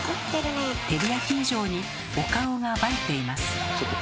照り焼き以上にお顔が映えています。